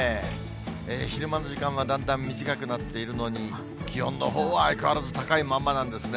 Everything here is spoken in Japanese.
昼間の時間はだんだん短くなっているのに、気温のほうは相変わらず、高いまんまなんですね。